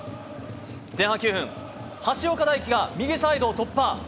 前半９分、橋岡だいきが右サイドを突破。